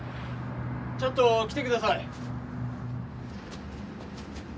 ちょっと来てください。